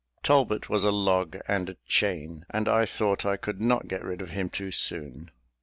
Talbot was a log and a chain, and I thought I could not get rid of him too soon.